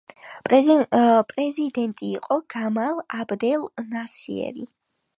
პრეზიდენტი იყო გამალ აბდელ ნასერი.